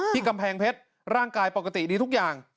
กำแพงเพชรร่างกายปกติดีทุกอย่าง